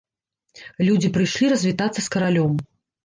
Людзі прыйшлі развітацца з каралём.